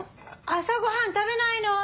朝ごはん食べないの？